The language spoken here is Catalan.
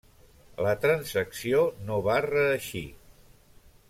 La transacció no va reeixir.